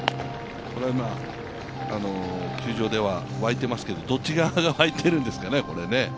球場では沸いていますけど、どっち側が沸いているんですかね。